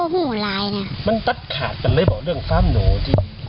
มันตัดขาดกันเลยเหรอเรื่องฟาร์มหนูจริง